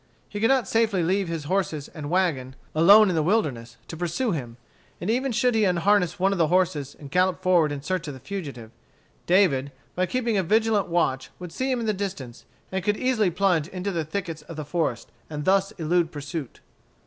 He could not safely leave his horses and wagon alone in the wilderness, to pursue him; and even should he unharness one of the horses and gallop forward in search of the fugitive, David, by keeping a vigilant watch, would see him in the distance and could easily plunge into the thickets of the forest, and thus elude pursuit.